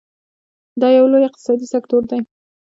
دا یو لوی اقتصادي سکتور دی.